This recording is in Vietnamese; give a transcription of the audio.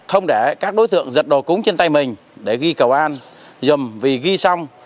không để các đối tượng giật đồ cúng trên tay mình để ghi cầu an dầm vì ghi xong